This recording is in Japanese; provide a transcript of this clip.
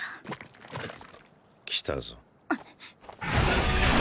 来たぞ。